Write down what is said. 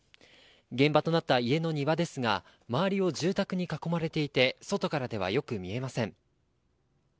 現場となった家の庭ですが周りを住宅に囲まれていて外からではよく見えません。